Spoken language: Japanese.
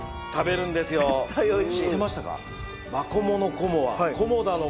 知ってましたか？